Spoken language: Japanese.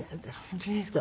本当ですか？